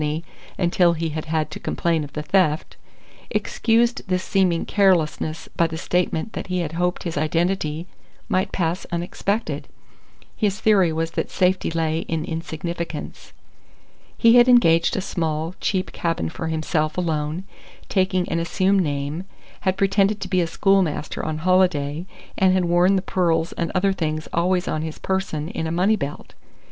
until he had had to complain of the theft) excused this seeming carelessness by the statement that he had hoped his identity might pass unsuspected. His theory was that safety lay in insignificance. He had engaged a small, cheap cabin for himself alone, taking an assumed name; had pretended to be a schoolmaster on holiday, and had worn the pearls and other things always on his person in a money belt.